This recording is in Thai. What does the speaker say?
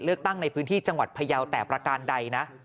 เลือกตั้งในพื้นที่จังหวัดพยาวแต่ประการใดนะ